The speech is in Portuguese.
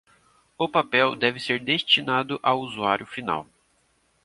O papel deve ser destinado ao usuário final.